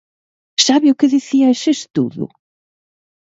¿Sabe o que dicía ese estudo?